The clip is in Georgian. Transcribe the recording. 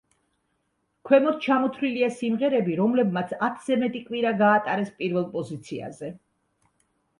ქვემოთ ჩამოთვლილია სიმღერები, რომლებმაც ათზე მეტი კვირა გაატარეს პირველ პოზიციაზე.